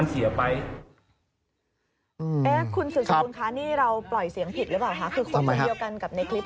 คนเดียวกันกับในคลิป